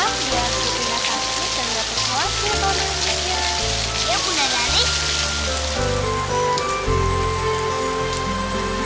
biar putri gak takut dan gak kesal